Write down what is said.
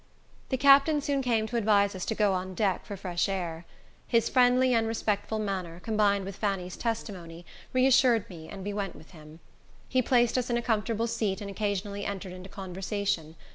The captain soon came to advise us to go on deck for fresh air. His friendly and respectful manner, combined with Fanny's testimony, reassured me, and we went with him. He placed us in a comfortable seat, and occasionally entered into conversation.